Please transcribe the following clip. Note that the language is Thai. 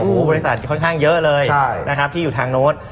อู้วบริษัทค่อนข้างเยอะเลยที่อยู่ทางโน๊ต